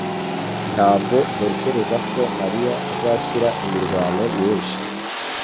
Ntabwo ntekereza ko mariya azashyira imirwano myinshi